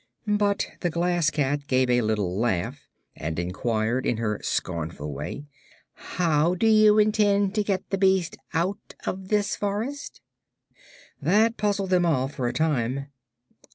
But the Glass Cat gave a little laugh and inquired in her scornful way: "How do you intend to get the beast out of this forest?" That puzzled them all for a time.